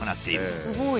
すごい！